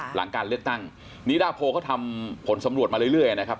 หลังการเลือกตั้งนิดาโพเขาทำผลสำรวจมาเรื่อยนะครับ